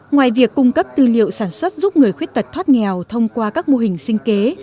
ngoài việc cung cấp tư liệu sản xuất giúp người khuyết tật thoát nghèo thông qua các mô hình sinh kế